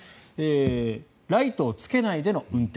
ライトをつけないでの運転